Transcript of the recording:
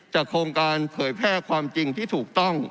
โครงการเผยแพร่ความจริงที่ถูกต้อง